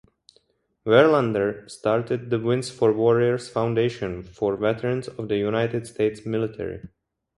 Verlander started the "Wins For Warriors Foundation" for veterans of the United States Military.